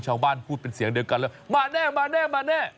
ชาวบ้านพูดเป็นเสียงเดียวกันเลยมาแน่